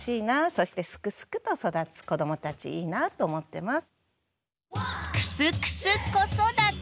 そしてすくすくと育つ子どもたちいいなと思ってます。